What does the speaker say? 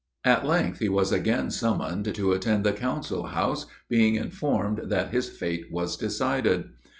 At length he was again summoned to attend the council house, being informed that his fate was decided.